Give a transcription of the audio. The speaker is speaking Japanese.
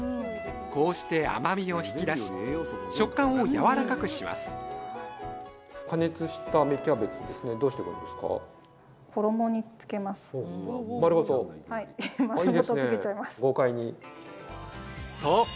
こうして甘みを引き出し食感をやわらかくしますそう！